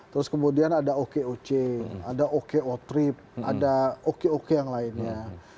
terus kemudian ada okoc ada okotrip ada okok yang lainnya